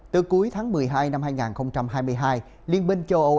từ cuối tháng một mươi hai năm hai nghìn hai mươi hai liên minh châu âu